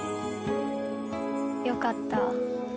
よかった。